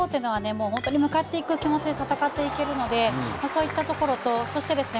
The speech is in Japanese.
もう本当に向かっていく気持ちで戦っていけるのでそういったところとそしてですね